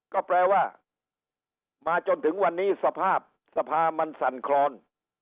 ก็แปลว่ามาจนถึงวันนี้สภาพสภามันสั่นคลอน